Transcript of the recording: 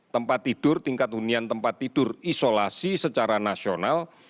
tempat tidur tingkat hunian tempat tidur isolasi secara nasional